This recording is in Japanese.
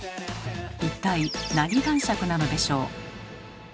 一体何男爵なのでしょう？